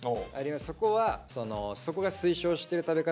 そこはそこが推奨してる食べ方